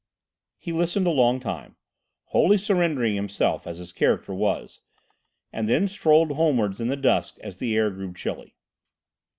He listened a long time, wholly surrendering himself as his character was, and then strolled homewards in the dusk as the air grew chilly.